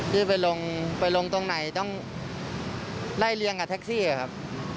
จะไปลงไปลงตรงไหนต้องไล่เลียงกับแท็กซี่ครับ